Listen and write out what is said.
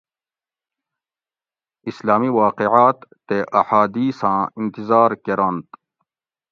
اسلامی واقعات تے احادیثاں انتظار کۤرنت